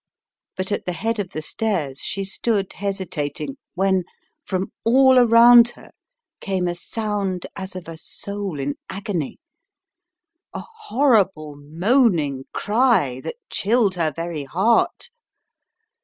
But at the head of the stairs she stood hesitating when from all around her came a sound as of a soul in agony, a horrible moaning cry that chilled her very heart.